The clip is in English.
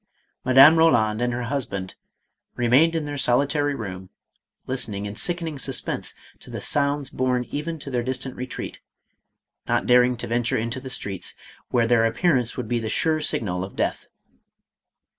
Madame Roland and her husband remained in their solitary room listening in sickening suspense to the sounds borne even to their distant retreat, not daring to venture into the streets, where their appearance would be the sure signal of death.